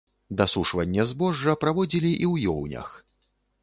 Дасушванне збожжа праводзілі і ў ёўнях.